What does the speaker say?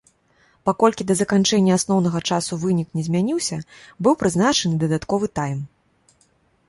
Паколькі да заканчэння асноўнага часу вынік не змяніўся, быў прызначаны дадатковы тайм.